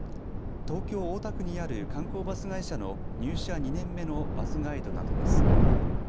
東京大田区にある観光バス会社の入社２年目のバスガイドなどです。